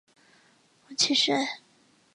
母齐氏。